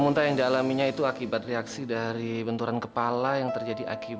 udah bukan suara apa apa